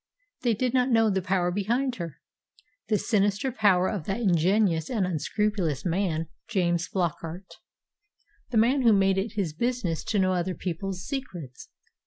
They did not know the power behind her the sinister power of that ingenious and unscrupulous man, James Flockart the man who made it his business to know other people's secrets.